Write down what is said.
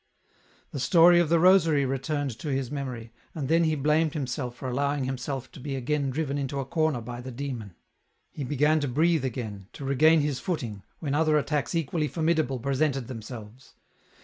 The story of the rosary returned to his memory, and then he blamed himself for allowing himself to be again driven into a corner by the demon. He began to breathe again, to regain his footing, when other attacks equally formidable presented themselves.